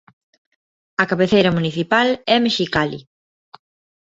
A cabeceira municipal é Mexicali.